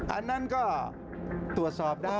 อันนั้นก็ตรวจสอบได้